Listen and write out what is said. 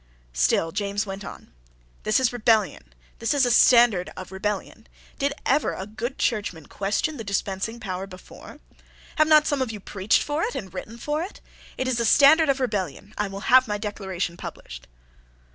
Still James went on. "This is rebellion. This is a standard of rebellion. Did ever a good Churchman question the dispensing power before? Have not some of you preached for it and written for it? It is a standard of rebellion. I will have my Declaration published."